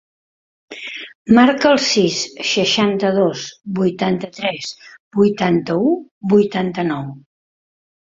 Marca el sis, seixanta-dos, vuitanta-tres, vuitanta-u, vuitanta-nou.